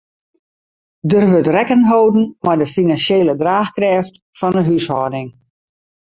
Der wurdt rekken holden mei de finansjele draachkrêft fan 'e húshâlding.